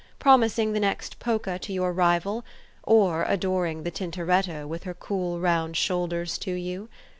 promising the next polka to your rival? or adoring the Tintoretto, with her cool, round shoulders to you?